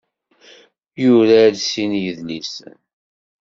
Yura-d sin n yedlisen.